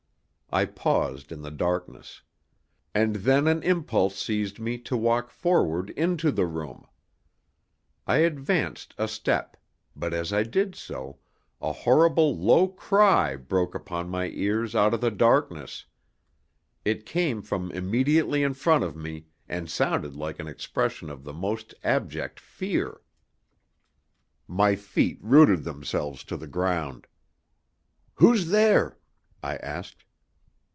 I paused in the darkness. And then an impulse seized me to walk forward into the room. I advanced a step; but, as I did so, a horrible low cry broke upon my ears out of the darkness. It came from immediately in front of me, and sounded like an expression of the most abject fear. My feet rooted themselves to the ground. "Who's there?" I asked.